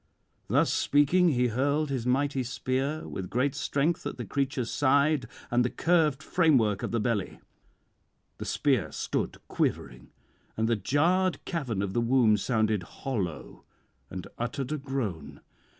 Thus speaking, he hurled his mighty spear with great strength at the creature's side and the curved framework of the belly: the spear stood quivering, and the jarred cavern of the womb sounded hollow and uttered a groan.